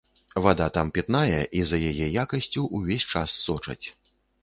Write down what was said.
Вада там пітная і за яе якасцю ўвесь час сочаць.